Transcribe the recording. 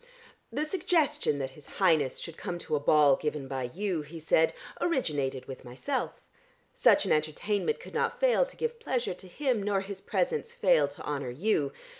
"The suggestion that his Highness should come to a ball given by you," he said, "originated with myself. Such an entertainment could not fail to give pleasure to him, nor his presence fail to honour you.